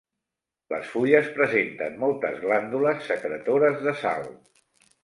Les fulles presenten moltes glàndules secretores de sal.